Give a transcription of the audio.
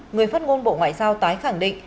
người phát ngôn bộ ngoại giao tái khẳng định